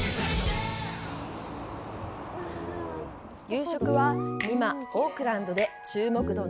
夕食は、今オークランドで注目度